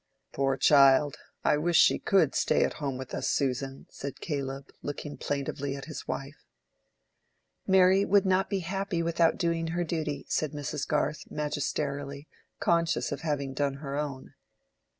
"Poor child! I wish she could stay at home with us, Susan," said Caleb, looking plaintively at his wife. "Mary would not be happy without doing her duty," said Mrs. Garth, magisterially, conscious of having done her own.